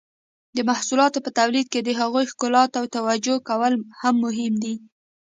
د محصولاتو په تولید کې د هغوی ښکلا ته توجو کول هم مهم دي.